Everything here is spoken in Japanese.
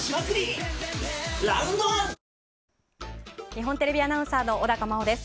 日本テレビアナウンサーの小高茉緒です。